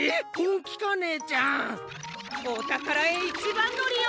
おたからへいちばんのりよ！